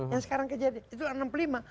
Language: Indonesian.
yang sekarang kejadian itu enam puluh lima